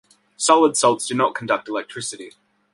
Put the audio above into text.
Solid salts do not conduct electricity.